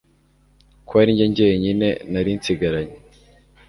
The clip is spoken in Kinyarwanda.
Ko ari njye jyenyine nari nsigaranye